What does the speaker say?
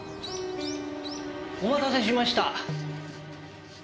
お待たせしました。